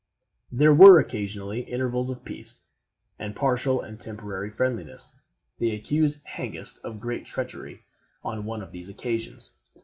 There were, occasionally, intervals of peace, and partial and temporary friendliness. They accuse Hengist of great treachery on one of these occasions.